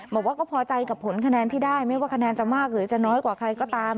บอกว่าก็พอใจกับผลคะแนนที่ได้ไม่ว่าคะแนนจะมากหรือจะน้อยกว่าใครก็ตาม